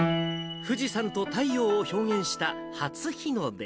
富士山と太陽を表現した初日の出。